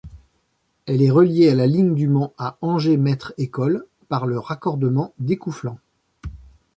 Elle est reliée à la ligne du Mans à Angers-Maître-École par le raccordement d'Écouflant.